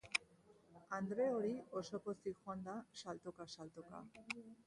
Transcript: Andre hori oso pozik joan da, saltoka-saltoka.